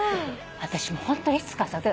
私もうホントにいつかさ。